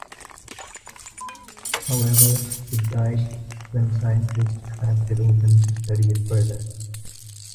However, it died when scientists cracked it open to study it further.